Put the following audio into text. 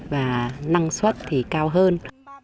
và năng suất thì cao hơn